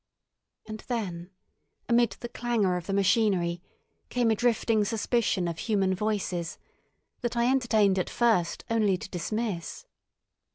And then, amid the clangour of the machinery, came a drifting suspicion of human voices, that I entertained at first only to dismiss.